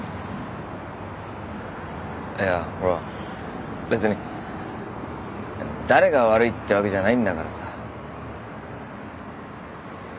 いやほら別に誰が悪いってわけじゃないんだからさ。